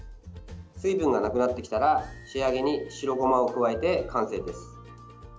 水分がなくなってきたら仕上げに白ごまを加えて完成です。